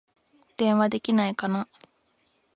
電話できないかな